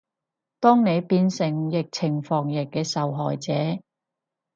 當你變成疫情防控嘅受害者